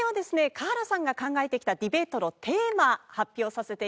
華原さんが考えてきたディベートのテーマ発表させて頂きます。